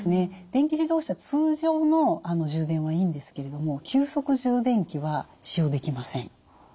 電気自動車通常の充電はいいんですけれども急速充電器は使用できません。